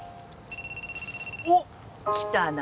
おっ来たな。